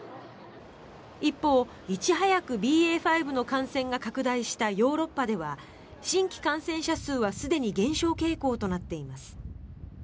一方、いち早くＢＡ．５の感染が拡大したヨーロッパでは新規感染者数はすでに減少傾向となっています。